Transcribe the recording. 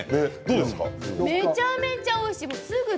めちゃめちゃおいしい。